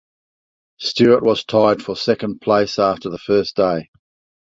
Stewart was tied for second place after the first day.